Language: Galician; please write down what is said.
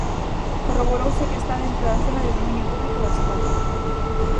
Corroborouse que está dentro da zona de dominio público da estrada.